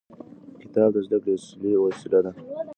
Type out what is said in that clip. کتاب د زده کړې اصلي وسیله ده.